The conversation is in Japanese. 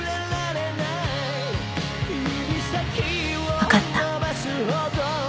分かった。